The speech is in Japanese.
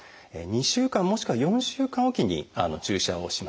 ２週間もしくは４週間おきに注射をします。